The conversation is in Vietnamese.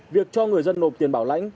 việc cho người dân nộp tiền bảo lãnh